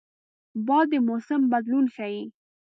باد د موسم بدلون ښيي